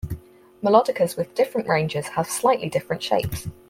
Melodicas with different ranges have slightly different shapes.